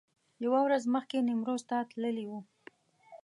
یوه ورځ مخکې نیمروز ته تللي و.